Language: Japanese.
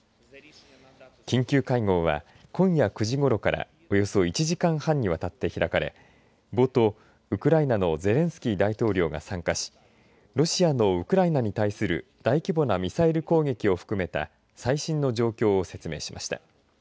緊急会合は今夜９時ごろからおよそ１時間半にわたって開かれ冒頭、ウクライナのゼレンスキー大統領が参加しロシアのウクライナに対する大規模なミサイル攻撃を含めた最新の状況を説明しました。